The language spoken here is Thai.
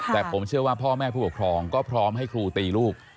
แต่ผมเชื่อว่าพ่อแม่ผู้ปกครองก็พร้อมให้ครูตีลูก